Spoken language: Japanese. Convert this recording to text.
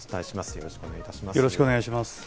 よろしくお願いします。